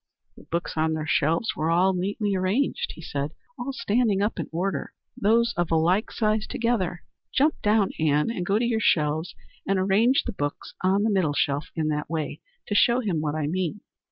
"The books on their shelves were all properly arranged," he said, "all standing up in order those of a like size together. Jump down, Ann, and go to your shelves, and arrange the books on the middle shelf in that way, to show him what I mean."